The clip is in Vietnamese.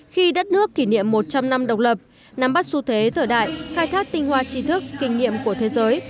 khi đất nước kỷ niệm một trăm linh năm độc lập nắm bắt xu thế thở đại khai thác tinh hoa tri thức kinh nghiệm của thế giới